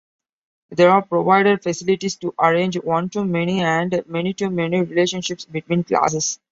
There are provided facilities to arrange one-to-many and many-to-many relationships between classes.